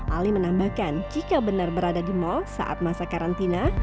ali menambahkan jika benar berada di mal saat masa karantina